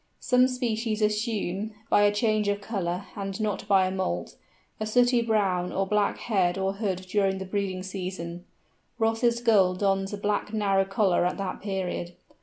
Some species assume (by a change of colour and not by a moult) a sooty brown or black head or hood during the breeding season; Ross's Gull dons a black narrow collar at that period.